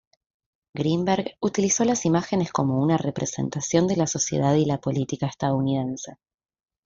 Greenberg utilizó las imágenes como una representación de la sociedad y la política estadounidense.